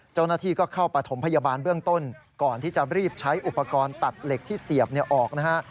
เจ้าหน้าที่ก็เข้าประถมพยาบาลเบื้องต้นก่อนที่จะรีบใช้อุปกรณ์ตัดเหล็กที่เสียบออกนะฮะ